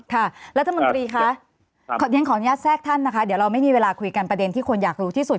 ค่ะรัฐมนตรีคะเรียนขออนุญาตแทรกท่านนะคะเดี๋ยวเราไม่มีเวลาคุยกันประเด็นที่คนอยากรู้ที่สุด